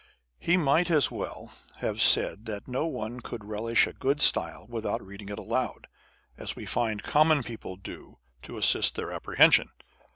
He might as well have said that no one could relish a good style without reading it aloud, as we find common people do to assist their apprehension.